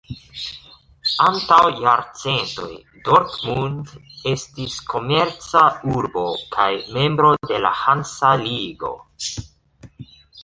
Antaŭ jarcentoj Dortmund estis komerca urbo kaj membro de la Hansa Ligo.